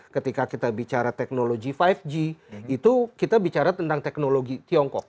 ketika kita bicara teknologi lima g itu kita bicara tentang teknologi tiongkok